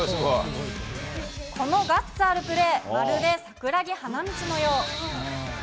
このガッツあるプレー、まるで桜木花道のよう。